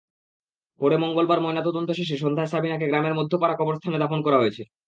পরে মঙ্গলবার ময়নাতদন্ত শেষে সন্ধ্যায় সাবিনাকে গ্রামের মধ্যপাড়া কবরস্থানে দাফন করা হয়েছে।